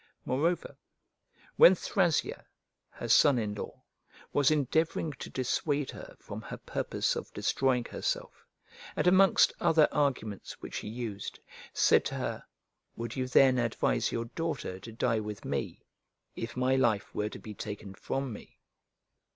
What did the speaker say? Moreover, when Thrasea, her son in law, was endeavouring to dissuade her from her purpose of destroying herself, and, amongst other arguments which he used, said to her, "Would you then advise your daughter to die with me if my life were to be taken from me?"